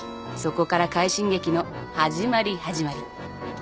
そこから快進撃の始まり始まり。